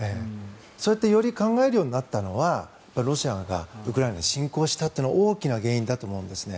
そうやってより考えるようになったのはロシアがウクライナに侵攻したというのが大きな原因だと思うんですね。